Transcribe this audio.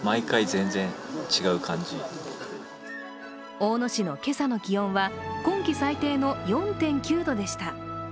大野市の今朝の気温は今季最低の４．９度でした。